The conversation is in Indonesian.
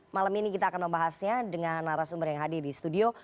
malam ini kita akan membahasnya dengan narasumber yang hadir di studio